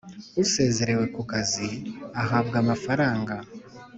Usezerewe ku kazi ahabwa amafaranga